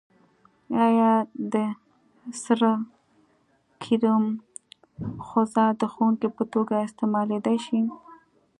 آیا د سره کرم ځوښا د ښودونکي په توګه استعمالیدای شي؟